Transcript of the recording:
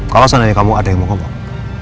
kalau seandainya kamu ada yang mau ngomong